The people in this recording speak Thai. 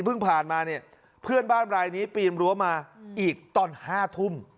ผ่านมาเนี่ยเพื่อนบ้านรายนี้ปีนรั้วมาอีกตอน๕ทุ่ม